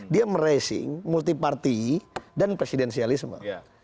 dia meracing multi party dan presidensialisme